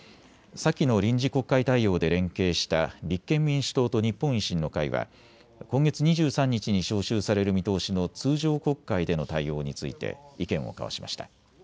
先の臨時国会対応で連携した立憲民主党と日本維新の会は今月２３日に召集される見通しの通常国会での対応について意見を交わしました。